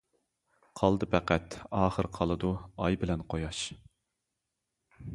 قالدى پەقەت، ئاخىر قالىدۇ، ئاي بىلەن قۇياش.